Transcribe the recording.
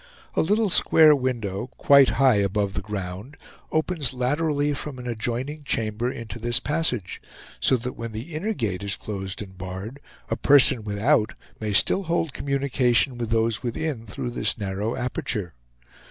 A little square window, quite high above the ground, opens laterally from an adjoining chamber into this passage; so that when the inner gate is closed and barred, a person without may still hold communication with those within through this narrow aperture.